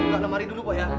buka lemari dulu pok ya